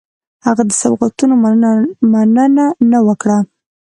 هغه د سوغاتونو مننه نه وه کړې.